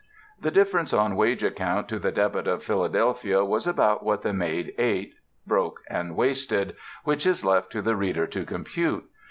The difference on wage account to the debit of Philadelphia was about what the maid ate, broke and wasted, which is left to the reader to compute.